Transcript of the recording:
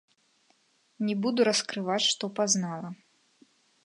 Не буду раскрываць, што пазнала.